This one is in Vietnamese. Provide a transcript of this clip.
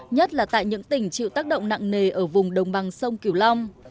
nhất là tại những tỉnh chịu tác động nặng nề ở vùng đồng bằng sông kiều long